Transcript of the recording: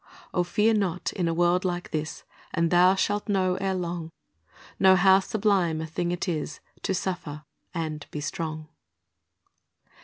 Oh, fear not in a world like this, And thou shalt know ere long, Know how sublime a thing it is To suffer and be strong.